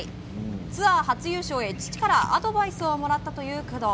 ツアー初優勝へ父からアドバイスをもらったという工藤。